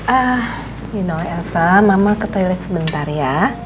ah you know elsa mama ke toilet sebentar ya